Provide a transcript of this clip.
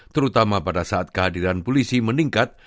terutama pada saat kehadiran polisi meningkat